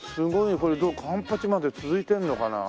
これ環八まで続いてるのかな？